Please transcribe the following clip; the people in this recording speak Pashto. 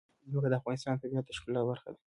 ځمکه د افغانستان د طبیعت د ښکلا برخه ده.